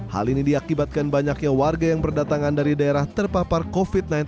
hal ini diakibatkan banyaknya warga yang berdatangan dari daerah terpapar covid sembilan belas